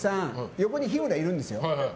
横に日村いるんですよ。